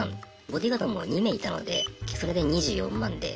ボディーガードも２名いたのでそれで２４万で。